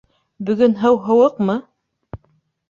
Бөгөн һыу һыуыҡмы?